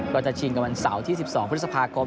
จะชิงกับวันเสาร์ที่๑๒พฤษภาคม